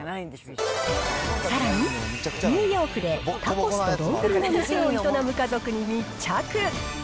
さらに、ニューヨークでタコスと丼の店を営む家族に密着。